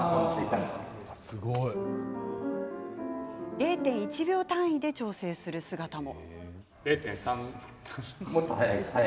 ０．１ 秒単位で調整する姿も。